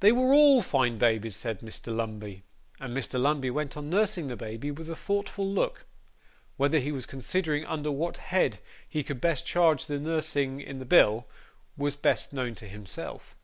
'They were all fine babies,' said Mr. Lumbey. And Mr. Lumbey went on nursing the baby with a thoughtful look. Whether he was considering under what head he could best charge the nursing in the bill, was best known to himself.